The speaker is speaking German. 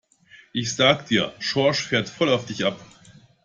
Ich sage dir, Schorsch fährt voll auf dich ab!